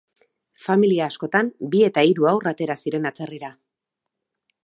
Familia askotan bi eta hiru haur atera ziren atzerrira.